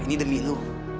ini demi lu